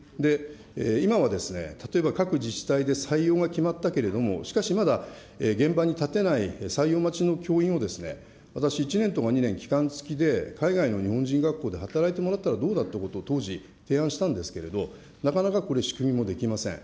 今は例えば各自治体で採用が決まったけれども、しかしまだ現場に立てない、採用待ちの教員を私、１年とか２年、期間付きで海外の日本人学校で働いてもらったらどうだってことを当時、提案したんですけれど、なかなかこれ、仕組みもできません。